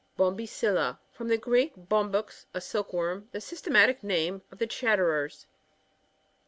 113 BoMBTciLLA. — Ftofii the Greek, ham* baxt a silk worm. The systematic name of the Chatterers.